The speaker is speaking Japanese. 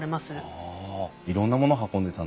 はあいろんなもの運んでたんですね。